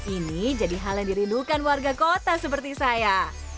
ini jadi hal yang dirindukan warga kota seperti saya